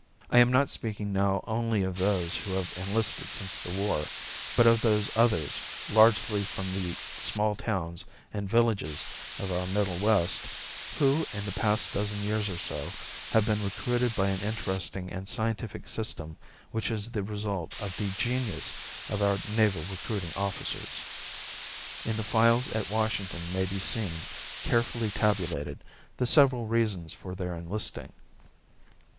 I am not speaking now only of those who have enlisted since the war, but of those others, largely from the small towns and villages of our Middle West, who in the past dozen years or so have been recruited by an interesting and scientific system which is the result of the genius of our naval recruiting officers. In the files at Washington may be seen, carefully tabulated, the several reasons for their enlisting.